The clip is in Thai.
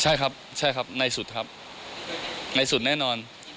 ใช่ครับใช่ครับในสุดครับในสุดแน่นอน